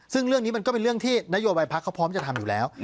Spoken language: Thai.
ซึ่งเรื่องนี้มันก็เป็นเรื่องที่นโยบายพักเขาพร้อมจะทำอยู่แล้ว